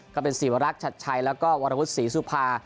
ก็เป็นศิวรักษ์ชัดชัยแล้วก็วรวุฒิศรีสุภา